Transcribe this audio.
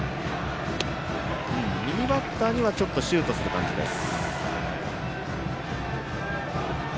右バッターにはシュートする感じです。